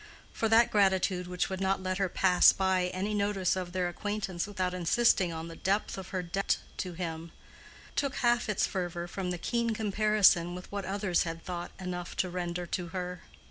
For that gratitude which would not let her pass by any notice of their acquaintance without insisting on the depth of her debt to him, took half its fervor from the keen comparison with what others had thought enough to render to her.